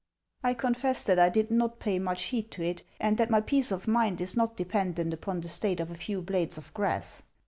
" I confess that I did not pay much heed to it, and that my peace of mind is not dependent upon the state of a few blades of grass.